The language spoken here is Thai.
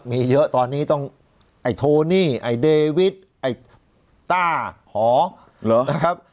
มีเยอะตอนนี้ต้องไอ้โทนี่ไอ้เดวิทไอ้ต้าหอเหรอนะครับ